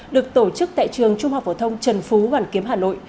được tổ chức tại trường trung học phổ thông trần phú hoàn kiếm hà nội